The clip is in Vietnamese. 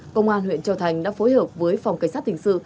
công an huyện châu thành đã phối hợp với phòng cảnh sát hình sự